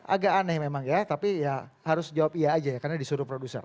agak aneh memang ya tapi ya harus jawab iya aja ya karena disuruh produser